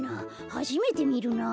はじめてみるなあ。